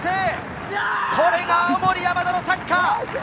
田中栄勢、これが青森山田のサッカー！